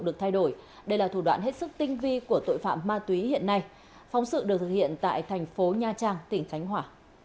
đây là thủ đoạn hết sức tinh vi của tội phạm ma túy hiện nay phóng sự được thực hiện tại thành phố nha trang tỉnh khánh hỏa